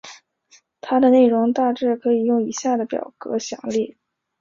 它的内容大致可以用以下的表格详列。